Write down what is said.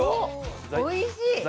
おいしい。